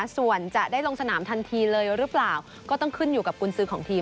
ส่วนจะได้ลงสนามทันทีเลยหรือเปล่าก็ต้องขึ้นอยู่กับกุญซื้อของทีม